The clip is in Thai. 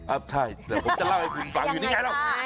อ้ะใช่แต่ผมจะเล่าให้คุณฟังละ